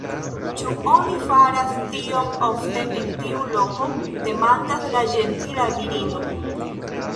“Ĉu oni faras tion ofte en tiu loko?” demandas la ĝentila virino.